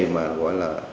mà gọi là